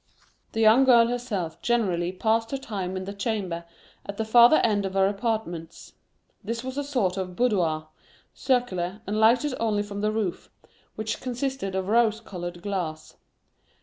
The young girl herself generally passed her time in the chamber at the farther end of her apartments. This was a sort of boudoir, circular, and lighted only from the roof, which consisted of rose colored glass.